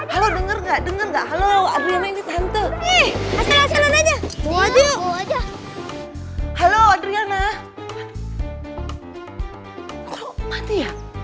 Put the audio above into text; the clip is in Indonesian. haloh denger nggak denger nggak haloh adriana ini santai